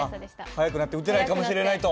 速くなって打てないかもしれないと？